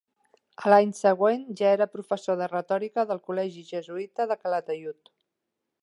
A l'any següent ja era professor de Retòrica del col·legi jesuïta de Calataiud.